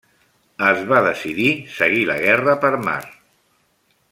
Es va decidir seguir la guerra per mar.